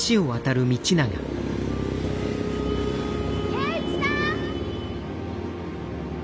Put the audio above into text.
圭一さん！